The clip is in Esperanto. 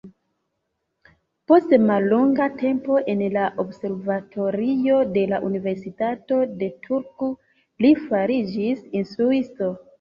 Post mallonga tempo en la observatorio de la universitato de Turku, li fariĝis instruisto.